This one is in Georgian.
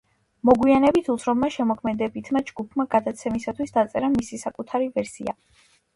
მოგვიანებით უცნობმა შემოქმედებითმა ჯგუფმა გადაცემისათვის დაწერა მისი საკუთარი ვერსია.